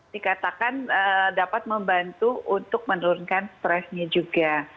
dikatakan dapat membantu untuk menurunkan stresnya juga